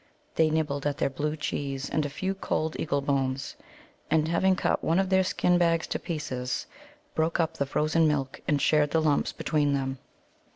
They nibbled at their blue cheese and a few cold eagle bones, and, having cut one of their skin bags to pieces, broke up the frozen milk and shared the lumps between them.